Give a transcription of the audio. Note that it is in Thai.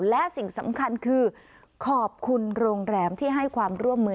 และสิ่งสำคัญคือขอบคุณโรงแรมที่ให้ความร่วมมือ